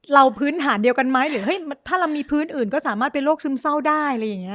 เราพื้นฐานเดียวกันไหมหรือถ้าเรามีพื้นอื่นก็สามารถเป็นโรคซึมเศร้าได้